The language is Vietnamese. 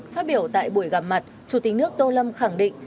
phát biểu tại buổi gặp mặt chủ tịch nước tô lâm khẳng định